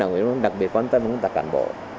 bộ công an đảng quỹ đặc biệt quan tâm đến công tác cản bộ